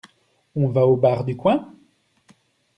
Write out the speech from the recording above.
On va au bar du coin?